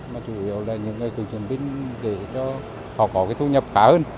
mà chủ yếu là những người cựu chiến binh để cho họ có cái thu nhập khá hơn